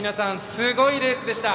すごいレースでした。